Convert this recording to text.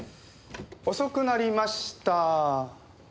遅くなりました。